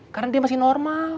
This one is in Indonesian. karena dia masih normal